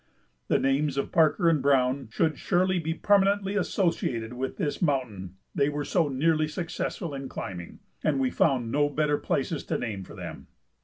The names of Parker and Browne should surely be permanently associated with this mountain they were so nearly successful in climbing, and we found no better places to name for them.